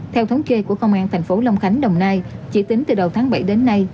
theo thống kê của công an thành phố long khánh đồng nai chỉ tính từ đầu tháng bảy đến nay